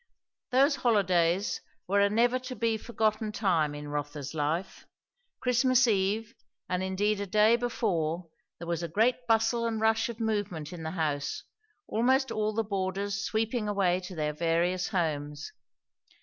Those holidays were a never to be forgotten time in Rotha's life. Christmas eve, and indeed a day before, there was a great bustle and rush of movement in the house, almost all the boarders sweeping away to their various homes.